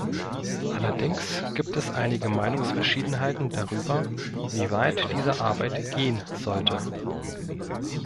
Allerdings gibt es einige Meinungsverschiedenheiten darüber, wie weit diese Arbeit gehen sollte.